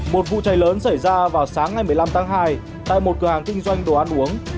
một vụ cháy lớn xảy ra vào sáng ngày một mươi năm tháng hai tại một cửa hàng kinh doanh đồ ăn uống